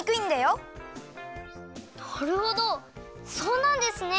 なるほどそうなんですね！